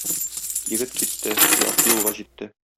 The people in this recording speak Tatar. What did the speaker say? Егет китте, ярты юлга җитте.